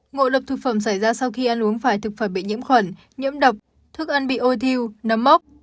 ngộ độc thực phẩm xảy ra sau khi ăn uống phải thực phẩm bị nhiễm khuẩn nhiễm độc thức ăn bị ôi thiêu nấm mốc